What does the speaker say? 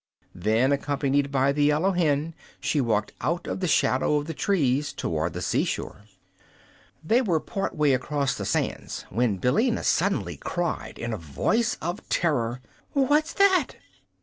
Then, accompanied by the yellow hen, she walked out of the shadow of the trees toward the sea shore. They were part way across the sands when Billina suddenly cried, in a voice of terror: "What's that?"